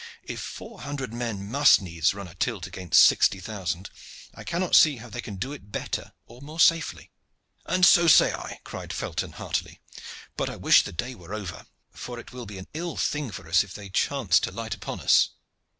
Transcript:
"If four hundred men must needs run a tilt against sixty thousand, I cannot see how they can do it better or more safely." "And so say I," cried Felton, heartily. "But I wish the day were over, for it will be an ill thing for us if they chance to light upon us."